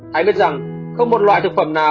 hãy biết rằng không một loại thực phẩm nào